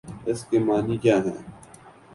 اس کے معانی کیا ہیں؟